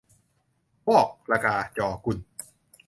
วอก ระกา จอ กุน